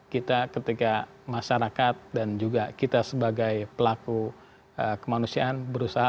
kita ketika masyarakat dan juga kita sebagai pelaku kemanusiaan berusaha